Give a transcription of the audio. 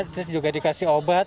terus juga dikasih obat